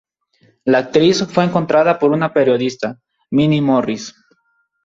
La actriz fue encontrada por una periodista, Minnie Morris.